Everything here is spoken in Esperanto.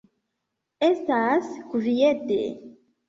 Estas kviete.